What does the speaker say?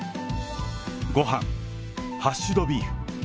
ごはん、ハッシュドビーフ。